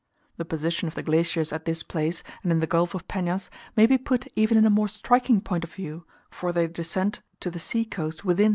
The position of the glaciers at this place and in the Gulf of Penas may be put even in a more striking point of view, for they descend to the sea coast within 7.